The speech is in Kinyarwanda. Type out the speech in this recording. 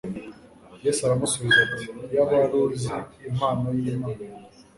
Yesu aramusubiza ati : "iyaba wari uzi impano y'Imana,